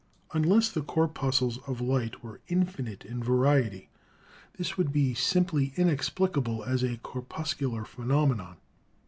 Unless the corpuscles of light were infinite in variety, this would be simply inexplicable as a corpuscular phenomenon.